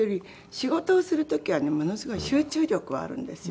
仕事をする時はねものすごい集中力はあるんですよ。